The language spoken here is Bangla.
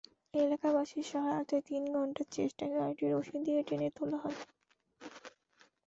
এলাকাবাসীর সহায়তায় তিন ঘণ্টার চেষ্টায় গাড়িটি রশি দিয়ে টেনে তোলা হয়।